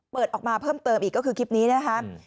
ออกมาเพิ่มเติมอีกก็คือคลิปนี้นะครับ